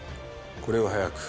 これを速く。